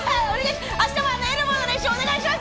明日もエルボーの練習お願いします